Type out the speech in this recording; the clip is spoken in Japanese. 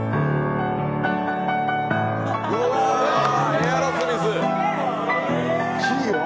エアロスミス。